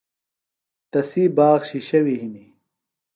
تسی باغ شِشیوی ہِنی۔